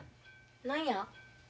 何や？